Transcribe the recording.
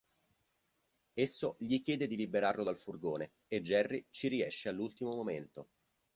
Esso gli chiede di liberarlo dal furgone, e Jerry ci riesce all'ultimo momento.